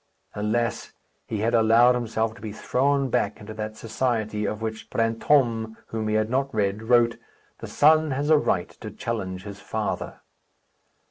Alas! he had allowed himself to be thrown back into that society of which Brantôme, whom he had not read, wrote: "_The son has a right to challenge his father!